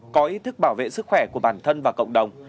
có ý thức bảo vệ sức khỏe của bản thân và cộng đồng